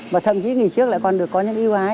và thậm chí nghỉ trước lại còn được có những yêu hái